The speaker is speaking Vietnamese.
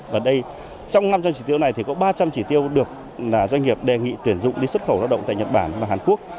và trong năm trăm linh chỉ tiêu này thì có ba trăm linh chỉ tiêu được doanh nghiệp đề nghị tuyển dụng đi xuất khẩu lao động tại nhật bản và hàn quốc